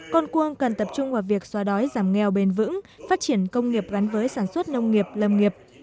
con cuông cần tập trung vào việc xóa đói giảm nghèo bền vững phát triển công nghiệp gắn với sản xuất nông nghiệp lâm nghiệp